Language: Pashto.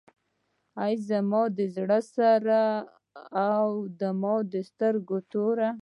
ای زما د زړه سره او د سترګو توره.